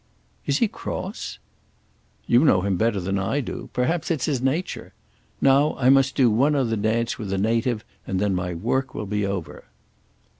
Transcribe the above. "Is he cross?" "You know him better than I do. Perhaps it's his nature. Now I must do one other dance with a native and then my work will be over."